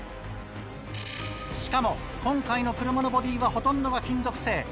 しかも今回の車のボディーはほとんどが金属製。